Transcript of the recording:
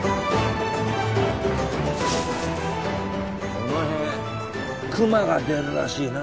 この辺熊が出るらしいな。